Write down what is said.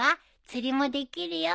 釣りもできるよ。